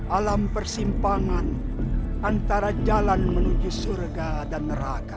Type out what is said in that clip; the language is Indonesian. alam persimpangan antara jalan menuju surga dan neraka